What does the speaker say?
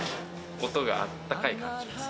音があったかい感じがする。